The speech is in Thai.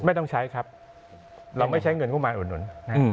ไม่ต้องใช้ครับเราไม่ใช้เงินงบมารอุดหนุนนะ